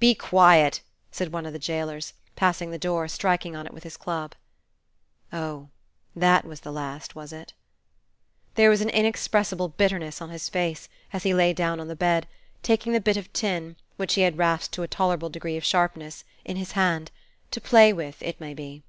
"Be quiet!" said one of the jailers, passing the door, striking on it with his club. Oh, that was the last, was it? There was an inexpressible bitterness on his face, as he lay down on the bed, taking the bit of tin, which he had rasped to a tolerable degree of sharpness, in his hand, to play with, it may be.